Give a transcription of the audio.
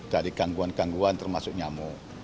dari gangguan gangguan termasuk nyamuk